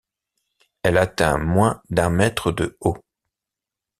Elle atteint moins d'un mètre de haut.